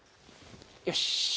よし！